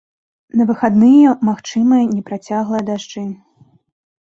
На выхадныя магчымыя непрацяглыя дажджы.